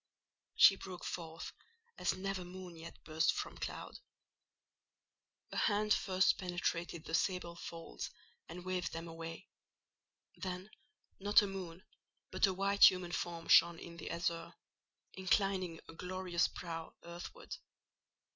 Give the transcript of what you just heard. She broke forth as never moon yet burst from cloud: a hand first penetrated the sable folds and waved them away; then, not a moon, but a white human form shone in the azure, inclining a glorious brow earthward.